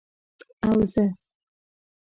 او زه،